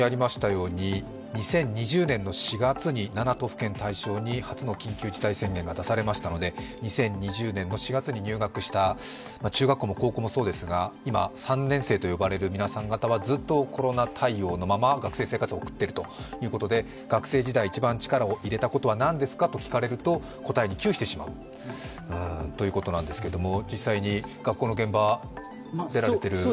２０２０年４月に７都府県対象に初の緊急事態宣言が出されましたので、２０２０年の４月に入学した中学校も高校もそうですが、今、３年生と呼ばれる皆さん方はずっとコロナ対応のまま学生生活を送っているということで、学生時代、一番力を入れたことは何ですかと聞かれると答えに窮してしまうということなんですけど、実際に学校の現場、出られてる？